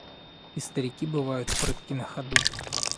И старики бывают прытки на ходу.